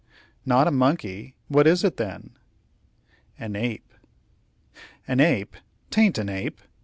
"Not a monkey! what is it, then?" "An ape." "An ape! 'taint an ape.